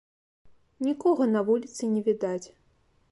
Нікога на вуліцы не відаць.